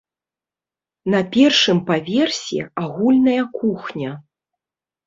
На першым паверсе агульная кухня.